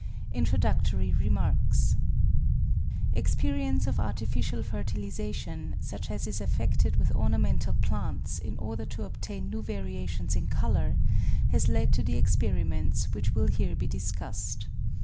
INTRODUCTORY REMARKS Experience of artificial fertilisation, such as is effected with orna mental plants in order to obtain new variations in colour, has led to the experiments which will here be discussed.